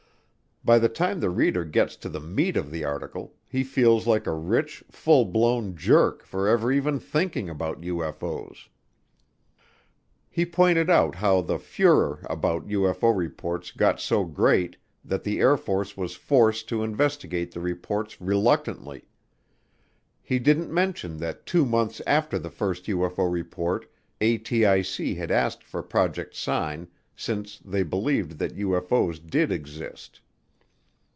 By the time the reader gets to the meat of the article he feels like a rich, full blown jerk for ever even thinking about UFO's. He pointed out how the "furor" about UFO reports got so great that the Air Force was "forced" to investigate the reports reluctantly. He didn't mention that two months after the first UFO report ATIC had asked for Project Sign since they believed that UFO's did exist.